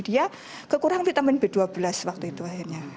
dia kekurangan vitamin b dua belas waktu itu akhirnya